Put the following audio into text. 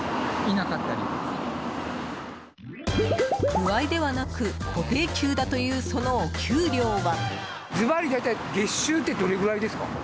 歩合ではなく固定給だというそのお給料は。